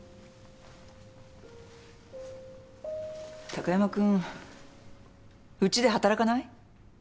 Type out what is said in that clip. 貴山君うちで働かない？